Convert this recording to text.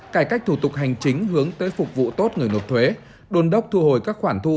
cải cách thủ tục hành chính hướng tới phục vụ tốt người nộp thuế đôn đốc thu hồi các khoản thu